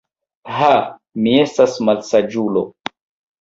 Ha, mi estas malsaĝulo.